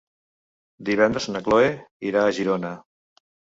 Divendres na Chloé irà a Girona.